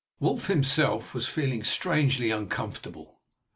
Wulf himself was feeling strangely uncomfortable.